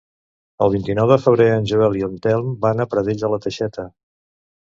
El vint-i-nou de febrer en Joel i en Telm van a Pradell de la Teixeta.